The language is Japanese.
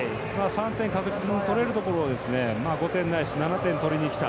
３点確実に取れるところを５点ないし７点を取りにきた。